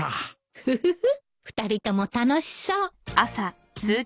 フフフ二人とも楽しそう